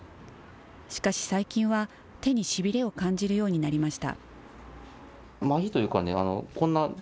しかし最近は、手にしびれを感じるようになりました。